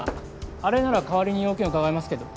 あれなら代わりに用件伺いますけど。